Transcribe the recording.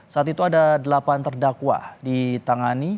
saat itu ada delapan terdakwa ditangani